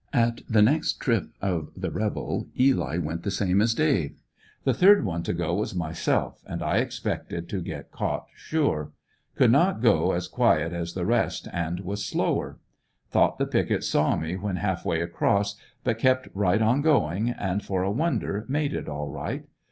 At the next trip of the rebel Eli went the same as Dave. The third one to go was myself, and I ex pected to get caught, sure. Could not go as as quiet as the rest, and was slower. Thought the picket saw me when half way across but kept right on going, and for a wonder made it all right.